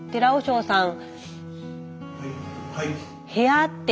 はい。